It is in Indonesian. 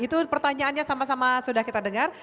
itu pertanyaannya sama sama sudah kita dengar